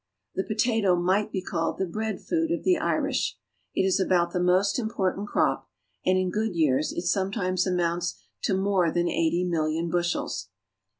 The potato might be called the bread food of the Irish. It is about the most important crop, and in good years it sometimes amounts to more than eighty million bushels.